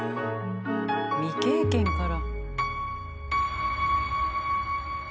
未経験から。